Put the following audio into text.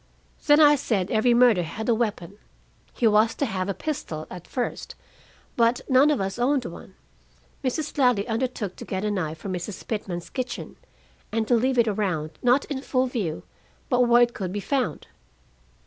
"Then I said every murder had a weapon. He was to have a pistol at first, but none of us owned one. Mrs. Ladley undertook to get a knife from Mrs. Pitman's kitchen, and to leave it around, not in full view, but where it could be found."